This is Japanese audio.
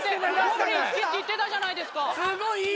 ゴブリン好きって言ってたじゃないですか